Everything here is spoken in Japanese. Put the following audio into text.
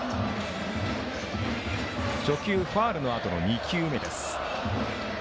初球ファウルのあとの２球目です。